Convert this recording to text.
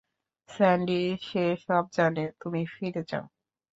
Sandy সে সব জানে, তুমি ফিরে যাও।